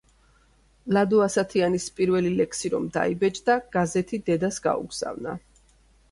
ლადო ასათიანის პირველი ლექსი რომ დაიბეჭდა, გაზეთი დედას გაუგზავნა.